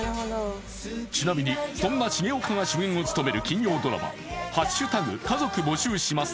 ちなみにそんな重岡が主演を務める金曜ドラマ「＃家族募集します」